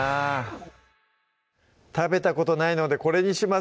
食べたことないのでこれにします